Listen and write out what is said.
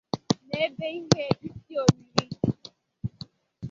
n'ebe isi ihe oriri dị